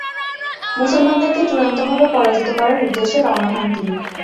মুসলমানদেরকে চুড়ান্তভাবে পরাজিত করার উদ্দেশ্যে রওনা হন তিনি।